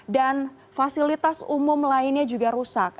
dan fasilitas umum lainnya juga rusak